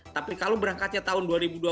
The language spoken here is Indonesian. tapi kalau berangkatnya tahun dua ribu dua puluh